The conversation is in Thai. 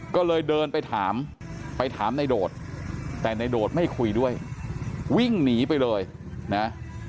ก็เลยเดินไปถามไปถามในโดดแต่ในโดดไม่คุยด้วยวิ่งหนีไปเลยนะ